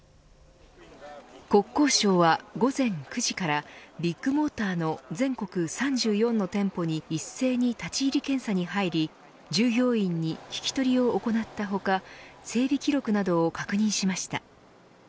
国交省は午前９時からビッグモーターの全国３４の店舗に一斉に立ち入り検査に入り従業員に聞き取りを行った他整備記録などを確認しました。